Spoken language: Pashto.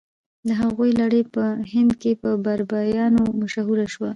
د هغوی لړۍ په هند کې په بابریانو مشهوره شوې ده.